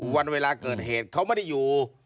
วันเวลาเกิดเหตุเขาไม่ได้อยู่